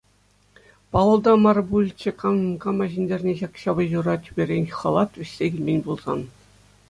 Паллӑ та мар пулӗччӗ кам кама ҫӗнтерни ҫак ҫапӑҫура тӳперен Хӑлат вӗҫсе килмен пулсан.